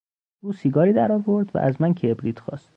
او سیگاری در آورد و از من کبریت خواست.